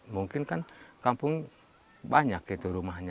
mungkin kan kampung banyak gitu rumahnya